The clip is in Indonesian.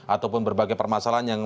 ataupun berbagai permasalahan yang